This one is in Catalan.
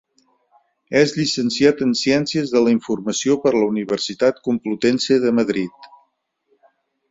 És llicenciat en ciències de la informació per la Universitat Complutense de Madrid.